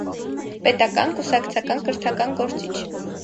Պետական, կուսակցական, կրթական գործիչ։